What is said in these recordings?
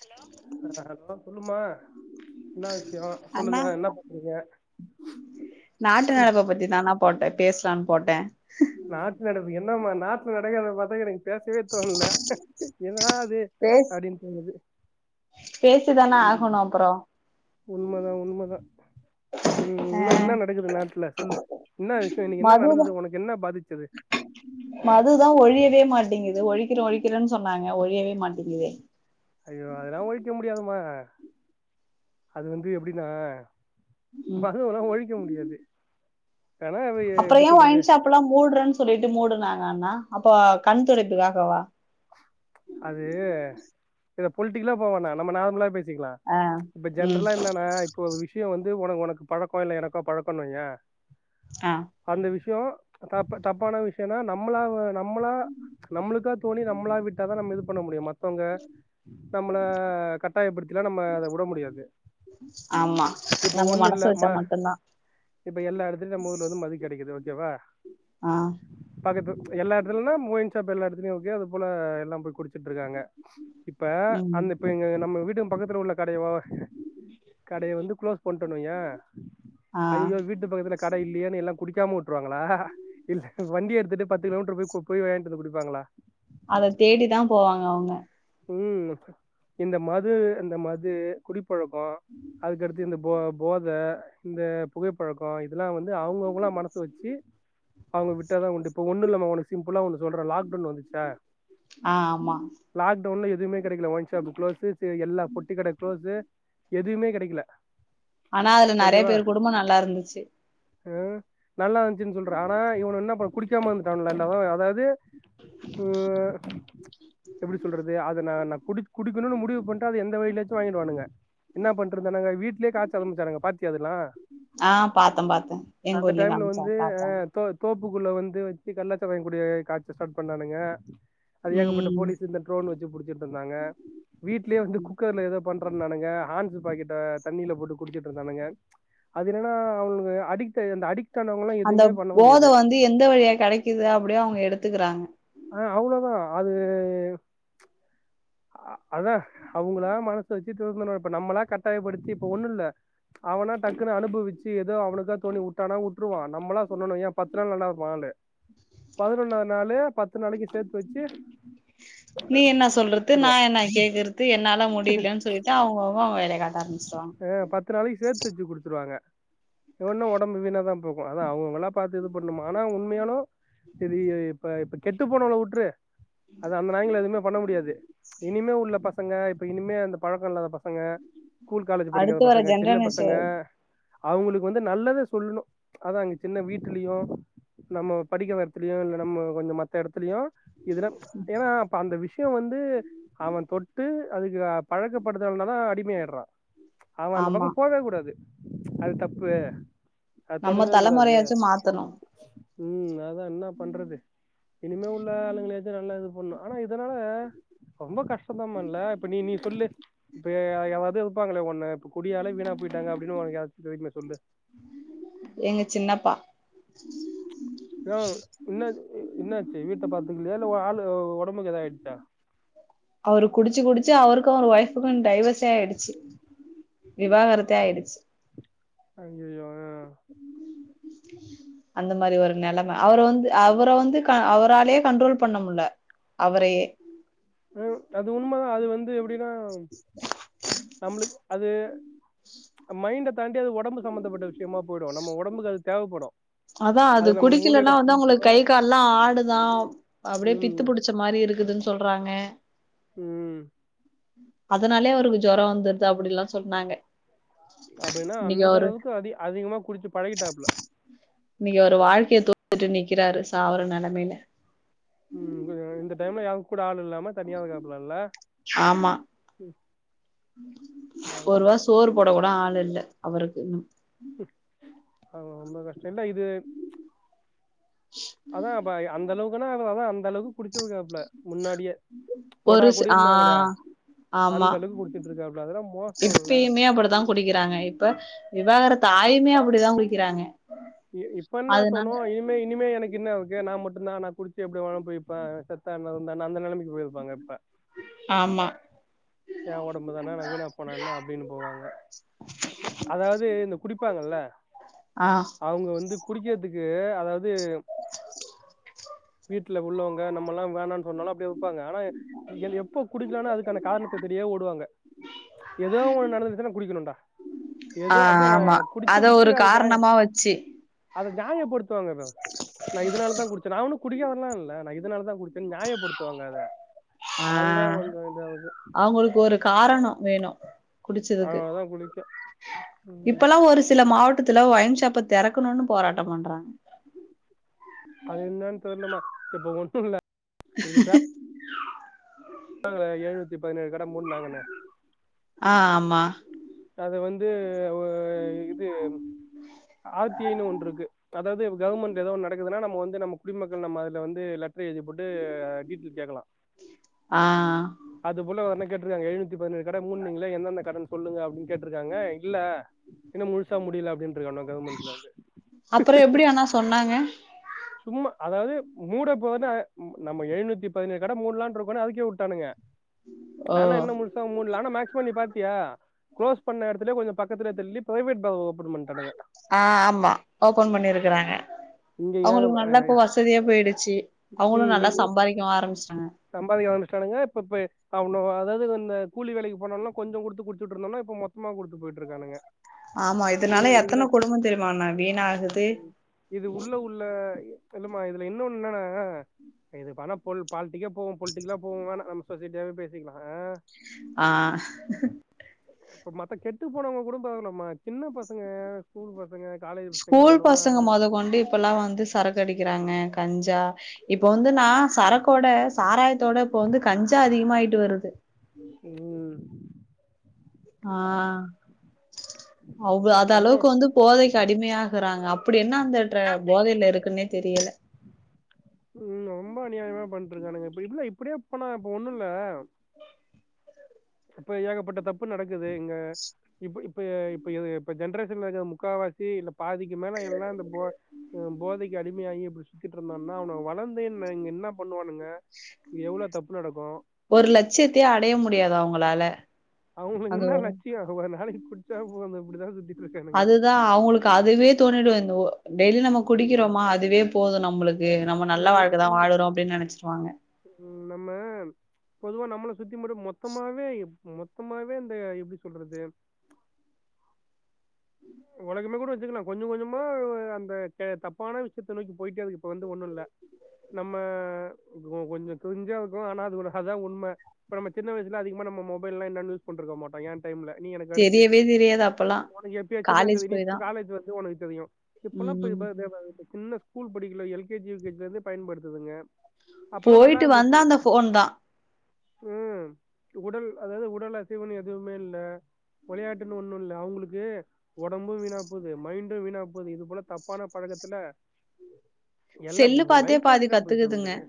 Hello? அ hello சொல்லுமா. என்ன விஷ்யோ அண்ணா சொல்லுங்க என்ன பண்றீங்க? பாத்தினா நா போட்டே பேசலான் போட்டே. நாட் நடப்பு என்னம்மா நாட்ல நடக்கறத பாத்தா எனக் பேசவே தோண்ல என்னடா அது பேஸ் அப்டின் தோணுது. பேசிதான ம் ஆகணு அப்புறோ உண்மதா உண்மதா. ம் ஆ ன்ன என்ன நடக்குது நாட்ல சொல்லு என்னா விஷ்யோ இன்னிக்கி என்ன மதுதா நடந்தது உனக்கு என்ன பாதிச்சது? மதுதா ஒழியவே மாட்டிங்குது ஒழிக்கிற ஒழிக்கறன் சொன்னாங்க ஒழியவே மாட்டிங்குதே. ஐயோ அதுல்லா ஒழிக்க முடியாதுமா அது வந்து எப்டினா? ம் மது வல்லா ஒழிக்க முடியாது. ஆனா அது அப்புற எப்டி ஏ சொல்றது ஒய்ன்ஷாப் எல்லா மூட்ரன் சொல்லிட்டு மூடுனாங்க அண்ணா அப்ப கண்துடைப்புக்காகவா? அது இத பொல்ட்டிக்கலா போவேன்னா நம்ம நார்மலாவே பேசிக்கலா? ஆ இப்ப ம் ஜென்ரலா என்னனா இப்ப விஷ்யோ வந்து உன உனக்கு பழக்கோ இல்ல எனக்கோ பழக்கோன் வெய்யே அ. அந்த விஷ்யோ தப்ப தப்பான விஷ்யன்னா நம்மளால நம்மளா நம்முளுக்கா தோணி நம்மளா விட் ட்டாதா நம்ம இது பண்ண முடியு மத்தவங்க நம்மள கட்டாயப்படுத்திலா நம்ம அத உட முடியாது. ஆமா இப்ப நம்ம ஒண்ணு மனசு இல்ல வெச்சா ம மட்டுந்தா. இப்ப எல்லா எடத்துலி நம்ம ஊர்ல வந்து மது கெடைக்குது ஓகேவா. ஆ அது இப்ப எல்லா எடத்துல்ன்னா ஒயின் ஷாப் எல்லா எடத்துலியு ஓகே அது போல எல்லாம் போய் குடிச்சிட்ருக்காங்க. இப்ப ம் அந்த இப்ப எங்க நம்ம வீட்டுங் பக்கத்துல உள்ள கடையவோவ கடைய வந்து குளோஸ் பண்ட்டோன் வெய்யே ஆ அய்யய்யோ வீட் டுக் பக்கத்துல கட இல்லியேனு எல்லா குடிக்காம உட்ருவாங்களா? இல்ல வண்டி எடுத்துட்டு பத்து கிலோமீட்ரு போய் கொ போய் வாய்ன்டு வந்து குடிப்பாங்களா? அத தேடி தா போவாங்க அவுங்க. ம் இந்த மது இந்த மது குடிப்பழக்கோ அதுக்கடுத்து இந்த போ போத இந்த புகைப்பழக்கோ இதுல்லா வந்து அவுங்கவுங்கலா மனசு வெச்சி அவுங்க விட்டாதா உண்டு. இப்ப ஒன்னு இல்லமா உனுக் சிம்பிளா ஒன்னு சொல்றே லாக்டவுன் வந்துச்சா? ஆ ஆமா. லாக்டவுன்ல எதுவுமே கெடைக்கல ஒயின் ஷாப் குளோஸு சே எல்லா பொட்டி கட குளோஸு. எதுமே கெடைக்கல. ஆனா அதுல நறையா பேரு குடும்போ நல்லா இருந்துச்சு. அ நல்லா வ ஞ்ச்சின் சொல்ற ஆனா இவுனுக என்ன ப குடிக்கா இந்துட்டான்களா எல்லாவு அதாவ்து உ எப்டி சொல்றது அதுல நா நா குடி குடிக்குணுனு முடிவு பண்ட்டா அது எந்த வகையிலாச்சு வாங்கிடுவானுங்க. என்னா பண்ட்ருந்தானுங்க வீட்லியே காச்ச ஆரம்ச்சானுங்க பாத்தியா அதுல்லா? ஆ பாத்தே பாத்தே எங் ஊர்லியு டைம்ல வந்து காம்சாங்க பாத்தே. தோ தோப்புக்குள்ள வந்து வெச்சி கள்ளச்சாராயோ கூடி காச்ச ஸ்டாட் பண்ணானுங்க அது ஏகப்பட்ட ம் போலீ இந்த ட்ரோன் வச்சு புடுச்சுட்டு இருந்தாங்க வீட்லயே வந்து குக்க குக்கர்ல எதோ பண்றன்னானுங்க ஹான்சு பாக்கெட்ட தண்ணில போட்டு குடுச்சுட்டு இருந்தானுங்க அதுன்னன்னா அவங்களுக்கு அடிக்ட் இருந்த அடிக்ட் ஆனவங்களா அந்த எதுமே பண்ண போத முடியாது வந்து எந்த வழியா கெடைக்குது அப்டியோ அவங்க எடுத்துக்குறாங்க ஆ அவ்ளோதா அது அதா அவங்களா மனசு வெச்சு திருந்தனு இப்ப நம்மளா கட்டாயப்படுத்தி இப்ப ஒண்ணுல்ல அவனா டக்குன்னு அனுபவிச் ச்சி ஏதோ அவனுக்க தோனி வுட்டானா வுட்ருவா நம்மள சொன்னோனுவையே பத்து நாள் நல்லா இருப்பா ஆளு பதினொன்னாவது நாளு பத்து நாளைக்கு சேத்து வச்சு நீ என்ன சொல்றது நா குடுத்துருவா என்ன கேக்குறது என்னால முடியலன் சொல்லிட்டு அவங்க அவங்க வேலை காட்ட ஆரம்பிச்சுருவாங்க ஆ பத்து நாளைக்கு சேத்து வச்சு குடுத்துறுவாங்க போனா ஒடம்பு வீணா தா போகு அதா அவங்க அவங்களா பாத்து இது பண்ணும்மா ஆனா உண்மையாலு செரி ஏ இப்ப இப்ப கெட்டு போனவங்கள வுட்ரு அது அந்த நாய்ங்கள எதுமே பண்ண முடியாது இனிமே உள்ள பசங்க இப்ப இனிமே அந்த பழக்கோ இல்லாத பசங்க ஸ்கூல் காலேஜ் படிக்காத அடுத்து வர பசங்க சின்ன பசங்க ஜென்ரனேஷன் அவங்களுக்கு வந்து நல்லத சொல்ணு அதா அங்க சின்ன வீட்டுலியோ நம்ம படிக்கிற எடத்துலயு இல்ல நம்ம கொஞ்ச மத்த எடத்துலயு இதுல ஏன்னா இப்ப அந்த விஷய வந்து அவன் தொட்டு அதுக்கு பழக்கப்படுத்தள்னா தா அடிமையா ஆயிடறா அவ அந்த ஆமா பக்க போவே கூடாது அது தப்பு அத நம்ம தொடவே கூடாது தலைமுறையாச்சு மாத்தணு ம் அதா என்ன பண்றது இனிமே உள்ள ஆளுங்கள ஏது நல்லா இது ஒண்ணு ஆனா இதனால ரொம்ப கஷ்டதாமா இல்ல இப்ப நீ நீ சொல்லு இப்ப ஏதாது இருப்பாங்களே ஒண்ணு இப்ப குடியாலே வீணா போயிட்டாங்க அப்டின்னு ஒண் வீக்னஸ் சொல்லு எங்க சின்னப்பா யா இன்ன இன்னச்சு வீட்ட பாத்துக்கலையா இல்ல ஓ ஆளு ஒடம்புக்கு எத ஆயிடுச்சா அவரு குடிச்சு குடிச்சு அவருக்கு அவர் ஒய்ஃபுக்கு டைவர்ஸ்சே ஆயிடுச்சு விவாகரத்தே ஆயிடுச்சு அய்யய்யோ அ அந்த மாரி ஒரு நெலம அவர வந்து அவர வந்து க அவராலயே கண்ட்ரோல் பண்ண முல்ல அவரயே ம் அது உண்ம தா அது வந்து எப்டின்னா நம்மளுக் அது மைண்ட தாண்டி அது ஒடம்பு சம்ந்தப்பட்ட விஷயமா போயிடு நம்ம ஒ டம்புக்கு அது தேவப்படு அதா அது நம்ம மூளையில குடிக்கலன்னா வந்து அவங்களுக்கு கை கால்லா ஆடுதா அப்டியே ம் பித்து புடுச் ச்ச மாரி இருக்குதுன் சொல்றாங்க ம் அதனாலயே அவருக்கு ஜொர வந்துடுது அப்டிலா சொன்னாங்க அப்டின்னா இன்னைக்கு அந்த அவரு அளவுக்கு அதி அதிகமா குடிச்சு பழகிடாப்புல இன்னைக்கு அவரு வாழ்க்கையை தோத்துட்டு நிக்கிறாரு சாவர நெலமையில ம் இந்த டைம்ல யாரு கூட ஆளு இல்லாம தனியா இருக்காப்லல்ல ஆமா ம் பாவோ ஒருவா சோறு போட கூட ஆள் இல்ல அவருக்கு இன் ஆ ரொம்ப கஷ்ட இல்ல இது ஹ [unintelligible] அதா ப அந்தளவுக்குனா அதா அந்தளவு குடிச்சிருக்காப்ல முன்னாடியே ஒரு மொடா சி ஆ குடினுவாங்கலே ஆமா அந்த அளவுக்கு குடுச்சுட்டு இருக்காப்ல அதெல்லா மோசோ இல்ல இப்பயு அப்டி தா குடிக்கிறாங்க இப்ப விவாகரத்து ஆயுமே அப்டிதா குடிக்கிறாங்க இ இப்பென தோணு அதனால இனிமே இனிமே எனக்கு என்ன இருக்கு நா மட்டும்தா நா குடுச்சு எப்டிவேனா போய்ப்பே செட் ஆனா என்ன அந்த நெலமைக்கு போயிருப்பாங்க இப்ப ஆமா எ உடம்பு தான நான் வீணா போனா என்ன அப்டின்னு போவாங்க அதாது இந்த குடிப்பாங்கல்ல ஆ அவுங்க வந்து குடிக்கிறதுக்கு அதாது வீட்ல உள்ளவங்க நம்ம எல்லாம் வேணா சொன்னாலும் அப்டே உ ப்பாங்க ஆனா எ எப்ப குடிக்கலானா அதுக்கான காரணத்தை தேடியே ஓடுவாங்க ஏதோ ஒன்னு நடந்துச்சுன்னா குடிக்கணும்டா ஏதோ ஆ அப்டியே ஆமா அத குடிச்சதுக்கு ஒரு அது நியாய காரணமா வச்சி அத நியாயப்படுத்துவாங்க மேம் நான் இதனாலதான் குடிச்ச நானும் குடிகாரன்ல்லா இல்ல நான் இதனால தான் குடிச் ச நியாயப்படுத்துவாங்க அத அதுதான் கொஞ்ச இதாவது அவுங்களுக்கு ஒரு காரணம் வேணும் குடிச்சதுக்கு அதனாலதா குடிக்க ம் இப்பல்லாம் ஒரு சில மாவ ட்டத்துல்ல ஒய்ன் சாப்ப தெறக்கணும்னு போராட்டம் பண்றாங்க அது என்னானு தெர்லம்மா இப்ப ஓசூர்ல ங்கள எழுநூத்தி பதினேழு கட மூட்நாங்கன்னு ஆ ஆமா அத வந்து ஒ இது ஆர் டி ஐ னு ஒன்று இருக்கு கதவே கவர்மெண்ட் ஏதோ நடக்குதுன்னா நம்ம வந்து நம்ம குடிமக்கள் நம்ம அதுல வந்து லெட்டர் எழுதி போட்டு டீட் டேல் கேட்கலாம் ஆ அது போல வந்து கேட்டுருக்காங்க எழுநூத்தி பதினேழு கட மூன்னீங்கள என்ன என்ன கட சொல்லுங்க அப்டின்னு கேட்டுருக்காங்க இல்ல இன்னும் முழுசா முடில அப்டின்ருக்காங்க கவர்மெண்ட்ல இருந்து அப்பறம் எப்டி ஆனா சொன்னாங்க சும்மா அதாது மூட போனா நம்ம எழுநூத்தி பதினேழு கட மூடலானு இருக்கோனு அறிக்கே விட்டானுங்க ஓ ஆனா என்ன முழுசா மூடல ஆனா மேக்ஸிமம் நீ பாத்தியா குளோஸ் பண்ண இடத்துலயே கொஞ்சோ பக்கத்துலே தள்ளி பிரைவேட் பார் ஓபன் பண்டாணுங்க ஆ ஆமா ஓபன் பண்ணிருக்கறாங்க இங்க ஏக அவுங்களுக்கு நல்லா இப்ப வசதியா போய்டுச்சு அவங்களும் நல்லா சம்பாதிக்கவும் ஆரம்பிச்சிடாங்க சம்பாதிக ஆரம்பிச்சுடானுங்க இப்ப இப்ப அவனோங்க அதாவது இந்த கூலி வேலைக்கு போனோம்னா கொஞ்சோ கொடுத்து குடுச்சுட்டு இருந்தோனா இப்ப மொத்தமா கொடுத்து போய்ட்டு ஆமா இதுனால எத்தன குடும்பம் தெரியுமான்னா வீணாகுது இது உள்ள உள்ள என்னமா இதுல இன்னொன்னு என்னனா இது பண போல் பாலிட்டிக்கே போகும் பொலிட்டிக்கலா போகும் வேணா நம்ம சொசைட்டியாவே பேசிக்கலாம் ஆ ஆ இப்ப மத்த கெட்டு போனவங்க கூட பரவால்லமா சின்ன பசங்க ஸ்கூல் பசங்க காலேஜ் பசங்க அவனோங்கல்லாம் இப்பல்லாம் வந்து சரக்கு அடிக்கிறாங்க கஞ்சா இப்ப வந்து நா சரக்கோட சாராயத்தோட இப்ப வந்து கஞ்சா அதிகமாய்ட்டு வருது ம் ஆ அவ்ள அது ரொம்ப அளவுக்கு வந்து போதைக்கு அடிமையாகறாங்க அப்டி என்னா அந்த ட் ர போதையில இருக்குன்னே தெரியல ம் ரொம்ப அநியாயமா பண்ட்டுருக்கானுங்க இப்டி இல்ல இப்டியே போனா இப்ப ஒண்ணுல்ல இப்போ ஏகப்பட்ட தப்பு நடக்குது இங்க இப்பு இப் இப்ப இப்ப இது இப்ப ஜென்ரேஷன்ல இருக்க முக்காவாசி இல்ல பாதிக்கு மேல எல்லா இந்த போ அ போதைக்கு அடிமையாகி இப்டி சுத்திட்டு இருந்தான்னா அவனுங்க வளர்ந்தென்ன இங்க என்ன பண்ணுவானுங்க எவ்ளோ தப்பு நடக்கும் ஒரு லட்சியத்தையே அடைய முடியாது அவங்களால அவுங்களுக் அது என்னா லட்சியோ ஒரு நாளைக்கு குடிச்சா போது இப்படிதா சுத்தி அதுதா அவங்களுக்கு அதுவே தோணிடு எந்துவோ டெய்லி நம்ம ம் குடிக்கிறோமா அதுவே போது நம்ளுக்கு நம்ம இங்க நல்லா இ- வாழ்கை தா இன்- வாழுறோ அப்டின் நினச்சிருவாங்க ம் நம்ம பொதுவா நம்மள சுத்தி மட்டு மொத்தமாவே மொத்தமாவே இந்த எப்டி சொல்றது உலகமே கூட வச்சுக்கலா கொஞ்சு கொஞ்சுமா அந்த கே தப்பான விஷயத்த நோக்கி போயிட்டே இருக்கு இப்ப வந்து ஒண்ணு இல்ல நம்ம கோ கொஞ்சு க்றுஞ்சா இருக்கு ஆனா அது ஒரு ஹதா உண்ம இப்ப நம்ம சின்ன வயசுல அதிகமா நம்ம மொபைல்லா என்னான் யூஸ் பன்ருக்க மாட்டோ ஏன் டைம் இல்ல ல நீ எனக் அடுத்து தெரியவே தெரியாது அப்பல்லா உனக்கு எப்பயாச்சுன்னா காலேஜ் தெதி நீ போய் தா காலேஜ் வந்து ஒனக்கு தெரியு இப்பெல்லா ம் போய்பா தேபாயுசெ சின்ன ஸ்கூல் படிக்கில எல்கேஜ் யுகேஜ்ல இருந்து பயன்படுத்துதுங்க அப்பெல்லாம் நல்லா போய்ட்டு வந்தா அந்த ஃபோன் தா உம் உடல் அதாவது உடல் அசைவுனு எதுவுமே இல்ல ஒளையாட்டுன் ஒன்னு இல்ல அவ்ங்களுக்கு ஒடம்பு வீணாபோது மைண்டு வீணாபோது இது போல தப்பான பழகத்துல செல்லு பாத்தே பாதி வீணா போயிடுது கத்துக்குதுங்க இவனுங்களுக்கு.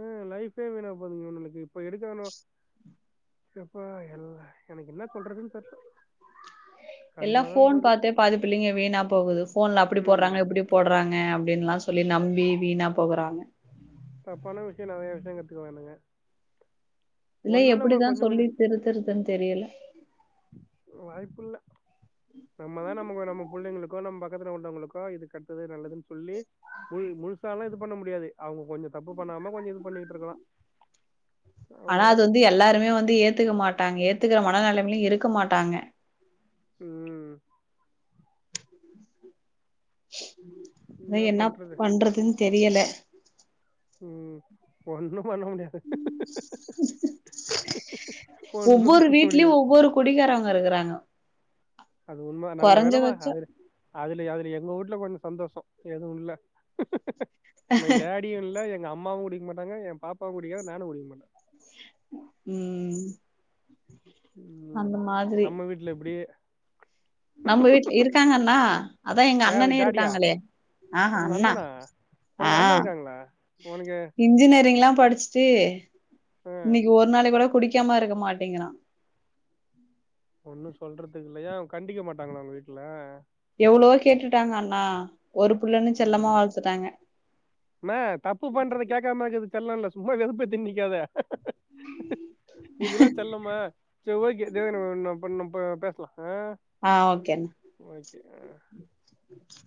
ஆ லைஃபே வீணா போதுங்க நம்ளுக்கு இப்ப எடுக்க ணு சப்பா எல்லா எனக்கு என்ன சொல்றதுன் தெர்ல எல்லா கடுப்பா தான் ஃபோன் போது. பாத்தே பாதிப்புள்ளைங்க வீணா போகுது ஃபோன்ல அப்படி ம். போடுறாங்க இப்டிப் போட்றாங்க அப்டின்லா சொல்லி நம்பி வீணா போகுறாங்க தப்பான விஷயு நெறைய விஷய கத்துக்குராணுங்க இலய் எப்படிதான் கொஞ்சம் சொல்லி கொஞ்சம் திருத்துருதுன் தெரியல வாய்ப்புல்ல நம்மதா நம்முகு நம்ம புள்ளைங்களுக்கோ நம் பக்கத்துல உள்ளவங்களுக்கோ இது கெட்டுது நல்லதுன் சொல்லி முல் முழுசாலா இது பண்ண முடியாது அவங்க கொஞ்சு தப்பு பண்ணாம கொஞ்ச் இது பண்ணிட்ருக்கலா ஆனா அது வந்து எல்லாருமே வந்து ஏத்துக்க மாட்டாங்க ஏத்துக்ற மனநிலமிலு இருக்க மாட்டாங்க உம் து என்ன என்னாப் பண்றது பண்றதுன் தெரியல உம் ஒன்னு பண்ண முடியாது ஒண்ணு ஒவ்வொரு பண்ண வீட்லயு முடியாது ஒவ்வொரு குடிக்காரவங்க இருக்குறாங்கோ அது உண்ம நல்ல வேலமா அவுரு அதுல அதுல எங்க வூட்ல கொஞ்சோ சந்தோஸோ எதுவுல்ல மை டாட் டீயுல்ல எங்க அம்மாவு குடிக்க மாட்டாங்க எ பாப்பா குடிக்காத் நானு குடிக்க மாட்டே உம் உம் மாதிரி நம்ம வீட்ல எப்டி நம்ம வீட் இருக்காங்கண்ணா அதா எங்க யாரு அண்ணனே டாடியா இருக்காங்களே ஆஹா உங்க அண்ணா அண்ணனா உனக்கு அண்ண இருக்காங்களா உனக்கு இன்ஜினியரிங் லா படிச்சுட்டு ஆ இன்னிக்கு ஒரு நாளை கூட குடிக்காம இருக்க மாட்டேங்கிறா ஒன்னு சொல்றதுக்கு இல்லையா கண்டிக்க மாட்டாங்கனா உங்க வீட்ல எவ்ளோவோ கேட்டுட்டாங்க அண்ணா ஒரு பிள்ளன்னு செல்லமா வளத்துட்டாங்க மே தப்பு பண்றத கேக்காமக்கது செல்லல சும்மா வெதுப்பேத்திண்ணிக்காத இதெல்லா செல்லமா ச ஓகே தேவேனு ஒண்ணா பண்ணும் ப பேஸ்லா ஆ ஆ ஓகேண்ண ஓகே அ ம்